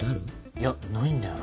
いやないんだよな。